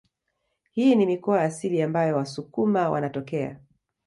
Hii ni mikoa asili ambayo wasukuma wanatokea